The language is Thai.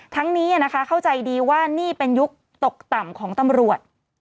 ทั้งนี้เข้าใจดีว่านี่เป็นยุคตกต่ำของตำรวจ